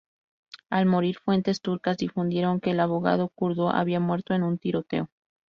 Al morir, fuentes turcas difundieron que el abogado kurdo había muerto en un tiroteo.